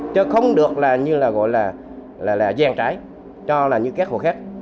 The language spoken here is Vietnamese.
chứ không được là như là gọi là là là giàn trái cho là như các hộ khác